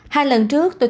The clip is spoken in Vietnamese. hai lần trước tôi chờ anh